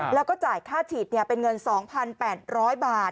แล้วก็จ่ายค่าฉีดเป็นเงิน๒๘๐๐บาท